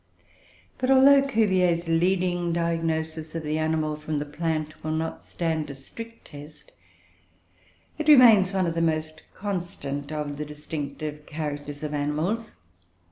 But although Cuvier's leading diagnosis of the animal from the plant will not stand a strict test, it remains one of the most constant of the distinctive characters of animals.